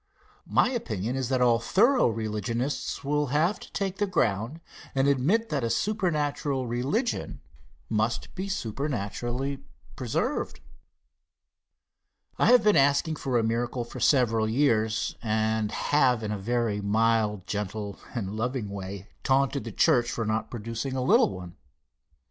My opinion is that all thorough religionists will have to take the ground and admit that a supernatural religion must be supernaturally preserved. I have been asking for a miracle for several years, and have in a very mild, gentle and loving way, taunted the church for not producing a little one.